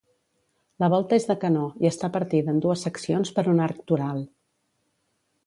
La volta és de canó, i està partida en dues seccions per un arc toral.